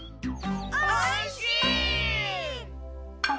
おいしい！